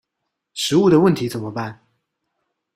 食物的問題怎麼辦？